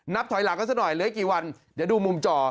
ถอยหลังกันสักหน่อยเหลืออีกกี่วันเดี๋ยวดูมุมจอ